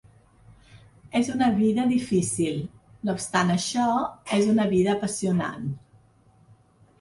És una vida difícil, no obstant això, és una vida apassionant.